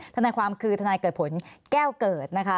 ทนายความคือทนายเกิดผลแก้วเกิดนะคะ